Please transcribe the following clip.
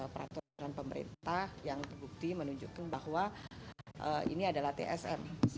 peraturan pemerintah yang terbukti menunjukkan bahwa ini adalah tsm